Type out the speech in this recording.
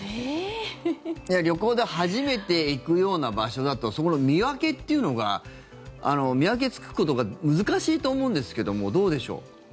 旅行で初めて行くような場所だとそこの見分けっていうのが見分け、つくことが難しいと思うんですけどもどうでしょう。